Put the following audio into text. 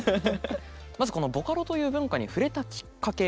まずこのボカロという文化に触れたきっかけ。